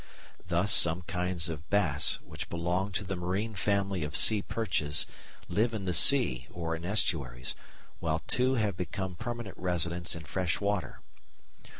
Thus some kinds of bass, which belong to the marine family of sea perches, live in the sea or in estuaries, while two have become permanent residents in fresh water.